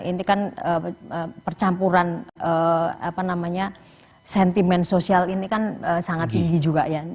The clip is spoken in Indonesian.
ini kan percampuran sentimen sosial ini kan sangat tinggi juga ya